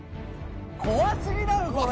怖すぎだろ、これ。